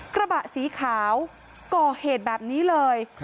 กระบะสีขาวก่อเหตุแบบนี้เลย